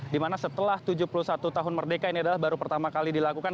dimana setelah tujuh puluh satu tahun merdeka ini adalah baru pertama kali dilakukan